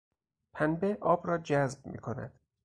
پنبه آب را جذب میکند.